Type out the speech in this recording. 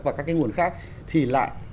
và các cái nguồn khác thì lại